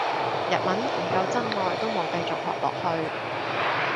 日文唔夠真愛都冇繼續學落去